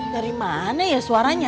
dari mana ya suaranya